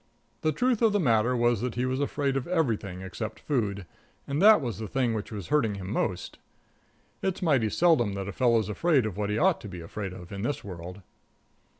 The truth of the matter was that he was afraid of everything except food, and that was the thing which was hurting him most. It's mighty seldom that a fellow's afraid of what he ought to be afraid of in this world.